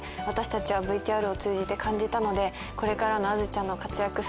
私たちはＶＴＲを通じて感じたのでこれからの安珠ちゃんの活躍